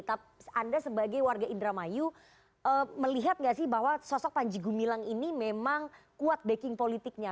tapi anda sebagai warga indramayu melihat nggak sih bahwa sosok panji gumilang ini memang kuat backing politiknya